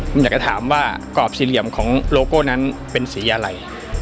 ผมอยากจะถามว่ากรอบสี่เหลี่ยมของโลโก้นั้นเป็นสีอะไร